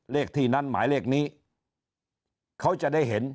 เลขที่นั้นหมายเลขนี้เขาจะได้เห็น